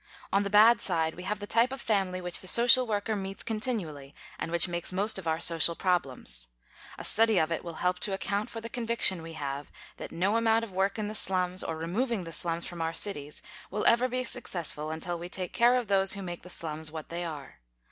On the bad side we have the type of family which the social worker meets continually and which makes most of our social problems. A study of it will help to account for the conviction we have that no amount of work in the slums or removing the slums from our cities will ever be successful until we take care of those who make the slums what they are.